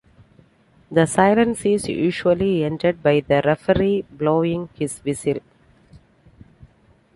The silence is usually ended by the referee blowing his whistle.